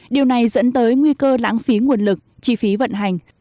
điều này dẫn tới nguy cơ lãng phí nguồn lực chi phí vận hành